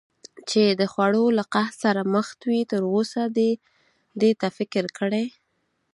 چې د خوړو له قحط سره مخ وي، تراوسه دې دې ته فکر کړی؟